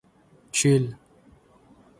Чил